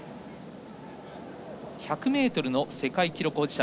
１００ｍの世界記録保持者。